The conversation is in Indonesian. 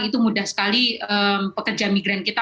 itu mudah sekali pekerja migran kita